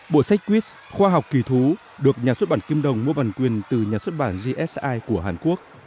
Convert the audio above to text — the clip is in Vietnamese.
bộ sách christ khoa học kỳ thú được nhà xuất bản kim đồng mua bản quyền từ nhà xuất bản gsi của hàn quốc